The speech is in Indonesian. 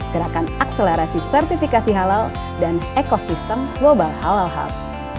gerakan akselerasi sertifikasi halal dan ekosistem global halal hub